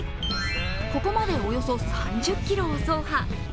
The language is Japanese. ここまでおよそ３０ｋｍを走破。